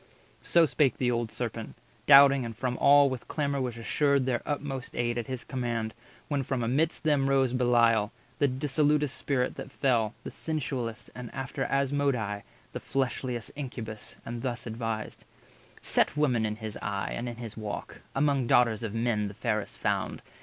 So spake the old Serpent, doubting, and from all With clamour was assured their utmost aid At his command; when from amidst them rose Belial, the dissolutest Spirit that fell, 150 The sensualest, and, after Asmodai, The fleshliest Incubus, and thus advised:— "Set women in his eye and in his walk, Among daughters of men the fairest found.